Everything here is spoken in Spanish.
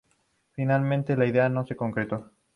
Finalmente, la idea no se concretó.